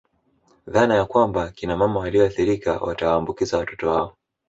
Dhana ya kwamba Kina mama walioathirika watawaambukiza watoto wao